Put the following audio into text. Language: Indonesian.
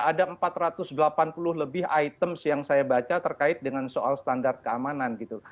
ada empat ratus delapan puluh lebih items yang saya baca terkait dengan soal standar keamanan gitu